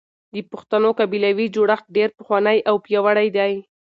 د پښتنو قبيلوي جوړښت ډېر پخوانی او پياوړی دی.